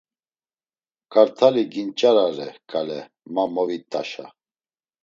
Kart̆ali ginç̌arare, kale, ma movit̆aşa.